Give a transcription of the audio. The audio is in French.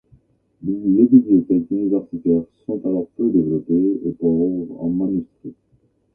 Les bibliothèques universitaires sont alors peu développées et pauvres en manuscrits.